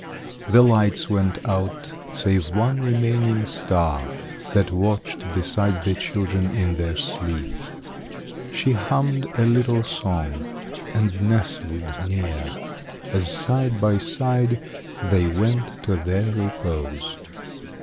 The lights went out, save one remaining star That watched beside the children in their sleep. She hummed a little song and nestled near, As side by side they went to their repose.